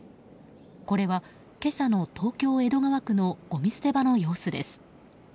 これは、今朝の東京・江戸川区のごみ捨て場の様子です。